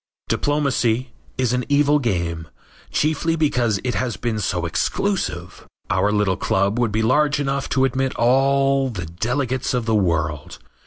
Diplomacy is an evil game, chiefly because it has been so exclusive. Our little club would be large enough to admit all the delegates of the world.